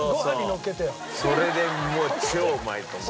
それでもう超うまいと思う。